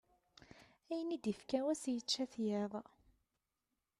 Ayen i d-ifka wass yečča-t yiḍ.